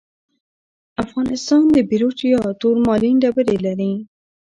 افغانستان د بیروج یا تورمالین ډبرې لري.